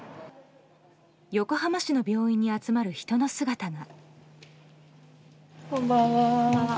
横浜市の病院に集まる人の姿が。